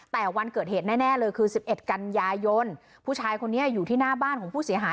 แต่วันเกิดเหตุแน่เลยคือ๑๑กันยายนผู้ชายคนนี้อยู่ที่หน้าบ้านของผู้เสียหาย